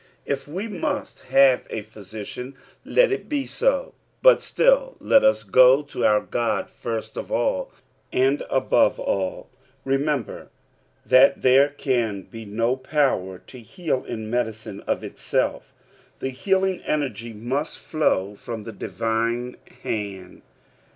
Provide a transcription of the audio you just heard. If we must have a physician, let it he ao, but still let us go to our God first of all ; and, above all, remember that there can be no power to heal in medicine of itself ; the healiag energy nmst flow from the divine hand.